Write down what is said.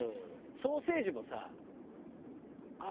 ソーセージもさ。